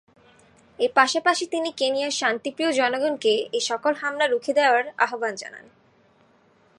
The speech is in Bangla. এর পাশাপাশি তিনি কেনিয়ার শান্তিপ্রিয় জনগণকে এসকল হামলা রুখে দেয়ার আহবান জানান।